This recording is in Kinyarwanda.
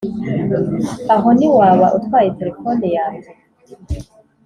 Aho niwaba utwaye telefoni yanjye